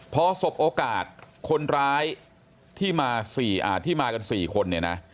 พอสบโอกาสคนร้ายที่มากัน๔คน